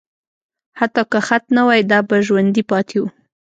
حتی که خط نه وای، دا به ژوندي پاتې وو.